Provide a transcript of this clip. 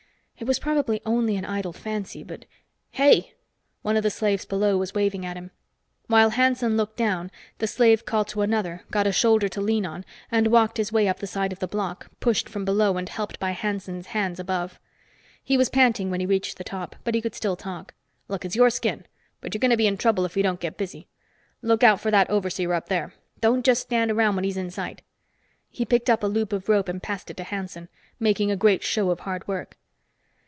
It was probably only an idle fancy, but "Hey!" One of the slaves below was waving at him. While Hanson looked down, the slave called to another, got a shoulder to lean on, and walked his way up the side of the block, pushed from below and helped by Hanson's hands above. He was panting when he reached the top, but he could still talk. "Look, it's your skin, but you're going to be in trouble if you don't get busy. Look out for that overseer up there. Don't just stand around when he's in sight." He picked up a loop of rope and passed it to Hanson, making a great show of hard work.